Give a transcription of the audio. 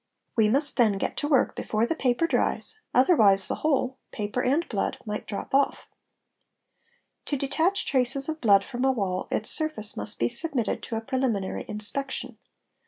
We must then get to work before the paper dries, otherwise the whole, paper and blood, might drop off. To detach traces of blood from a wall its surface must be submitted — to a preliminary inspection.